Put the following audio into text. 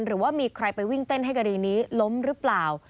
หรือว่ามีใครไปวิ่งเต้นให้คดีนี้ล้มหรือเปล่า